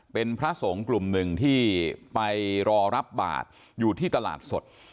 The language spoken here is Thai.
เป็นพระสงฆ์กลุ่มหนึ่งที่ไปรอรับบาทอยู่ที่ตลาดสด